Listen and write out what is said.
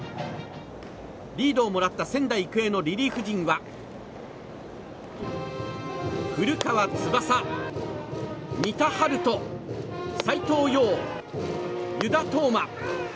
リードをもらった仙台育英のリリーフ陣は古川翼仁田陽翔斎藤蓉、湯田統真。